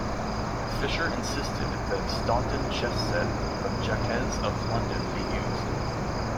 Fischer insisted that a Staunton chess set from Jaques of London be used.